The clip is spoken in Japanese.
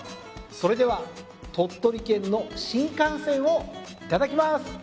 それでは鳥取県の新甘泉をいただきます。